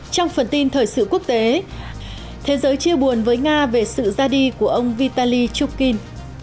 trong phần tin thời sự quốc tế thế giới chia buồn với nga về sự ra đi của ông vitaly chukin